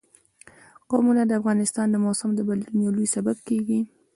قومونه د افغانستان د موسم د بدلون یو لوی سبب کېږي.